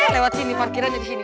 lewat sini parkirannya disini